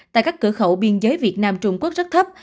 tại các cửa khẩu biên giới việt nam trung quốc rất thấp